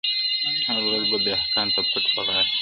هره ورځ به وو دهقان ته پټ په غار کي!.